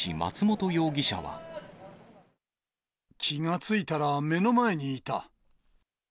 気が付いたら目の前にいた。